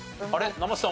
生瀬さん